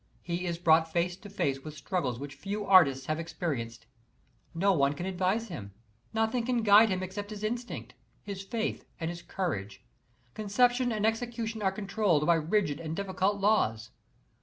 He is brought face to face with struggles which few artists have experienced. No one can advise him, nothing can guide him except his instinct, his faith and his courage. Conception and execution are controlled by rigid and difficult laws.